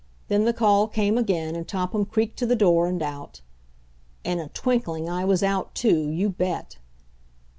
Then the call came again, and Topham creaked to the door and out. In a twinkling I was out, too, you bet.